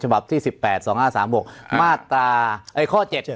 ฉบัติที่๑๘๒๕๓๖